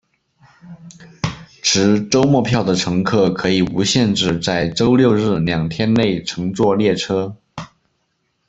持周末票的乘客可以无限制在周六日两天内乘坐列车。